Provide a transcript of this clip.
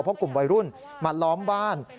เพราะกลุ่มวัยรุ่นมาล้อมบ้าน